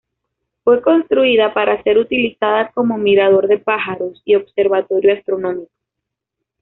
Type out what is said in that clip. Fue construida para ser utilizada como mirador de pájaros y observatorio astronómico.